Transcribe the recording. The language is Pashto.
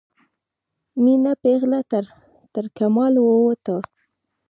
میینه پیغله ترکمال ووته